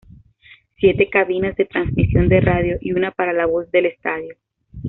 Siete cabinas de transmisión de radio y una para la voz del estadio.